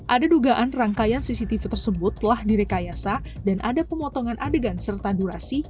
ada dugaan rangkaian cctv tersebut telah direkayasa dan ada pemotongan adegan serta durasi